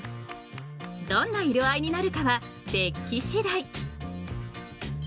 どんな色合いになるかはデッキしだい。